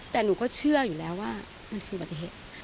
แต่หนูก็เชื่ออยู่แล้วว่ามันคืออุบัติเหตุ